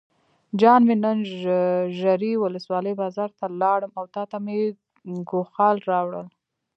جان مې نن ژرۍ ولسوالۍ بازار ته لاړم او تاته مې ګوښال راوړل.